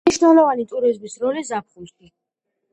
მნიშვნელოვანია ტურიზმის როლი ზაფხულში.